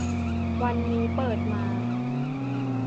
วันนี้เปิดมา